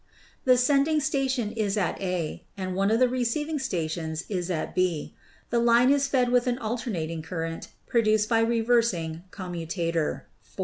The sending station is at A and one of the receiving stations at B. The line is fed with an alternating current produced by reversing commutator, 4.